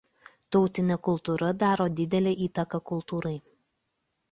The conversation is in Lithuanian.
Tautinė kultūra daro didelę įtaką kultūrai.